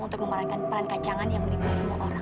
untuk memarankan peran kacangan yang melibu semua orang